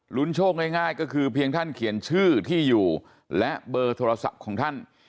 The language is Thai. โชคง่ายก็คือเพียงท่านเขียนชื่อที่อยู่และเบอร์โทรศัพท์ของท่าน